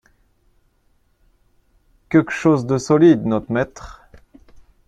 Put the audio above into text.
Queuque chose de solide, not'maître ?